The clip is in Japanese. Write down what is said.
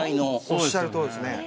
おっしゃるとおりです。